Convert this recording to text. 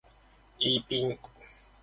イーピン